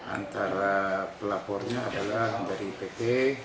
antara pelapornya adalah dari pt